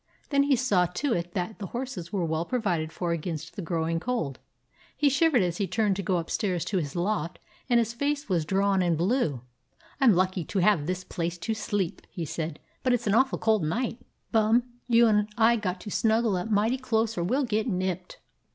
Then he saw to it that the horses were well provided for against the growing cold. He shivered as he turned to go upstairs to his loft, and his face was drawn and blue. "I 'm lucky to have this place to sleep," he said, "but it 's an awful cold night. 167 DOG HEROES OF MANY LANDS Bum, you and I got to snuggle up mighty close or we 'll get nipped."